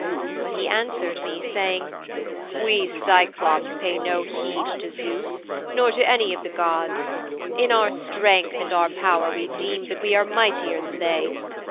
But he answered me saying, "We Cyclôpes pay no heed to Zeus, nor to any of thy gods. In our strength and our power we deem that we are mightier than they.